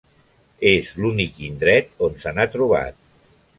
És l'únic indret on se n'ha trobat.